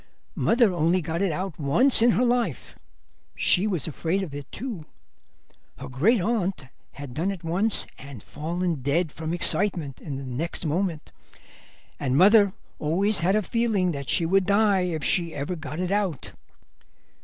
Mother only got it out once in her life; she was afraid of it, too. Her great aunt had done it once and fallen dead from excitement the next moment, and mother always had a feeling that she would die if she ever got it out.